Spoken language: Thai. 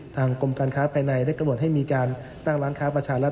กรมการค้าภายในได้กำหนดให้มีการตั้งร้านค้าประชารัฐ